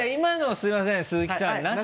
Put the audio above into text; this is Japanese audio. すみません